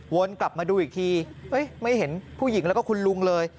วนกลับมาดูอีกทีไม่เห็นผู้หญิงแล้วก็คุณลุงเลย